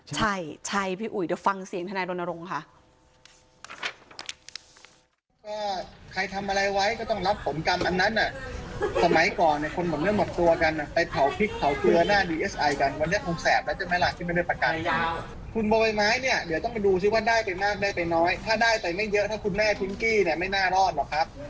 ใช่ใช่พี่อุ๋ยเดี๋ยวฟังเสียงทนายรณรงค์ค่ะ